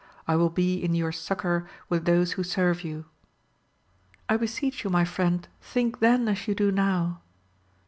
I will be in your succour with those who serve you. — I beseech you my friend, think then as you do now